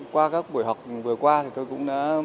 qua các buổi học vừa qua tôi cũng đã